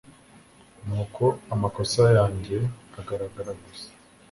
Ni uko amakosa yanjye agaragara gusa